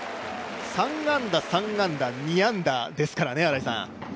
３安打３安打２安打ですからね。